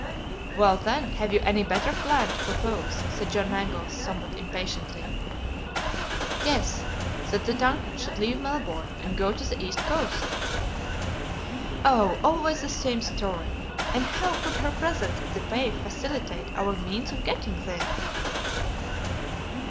"Well, then, have you any better plan to propose?" said John Mangles, somewhat impatiently. "Yes, that the DUNCAN should leave Melbourne, and go to the east coast." "Oh, always the same story! And how could her presence at the bay facilitate our means of getting there?"